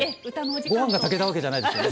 御飯が炊けたわけじゃないですよね。